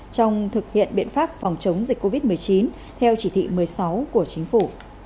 trong thực hiện biện pháp phòng chống dịch covid một mươi chín theo chỉ thị một mươi sáu của chính phủ